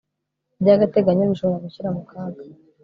by agateganyo bishobora gushyira mu kaga